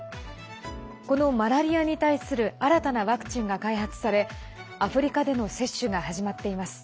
このマラリアに対する新たなワクチンが開発されアフリカでの接種が始まっています。